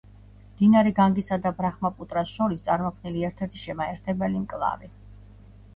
მდინარე განგისა და ბრაჰმაპუტრას შორის წარმოქმნილი ერთ-ერთი შემაერთებელი მკლავი.